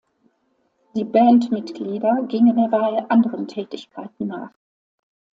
Die Bandmitglieder gingen derweil anderen Tätigkeiten nach.